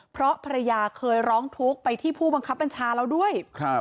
เพราะภรรยาเคยร้องทุกข์ไปที่ผู้บังคับบัญชาแล้วด้วย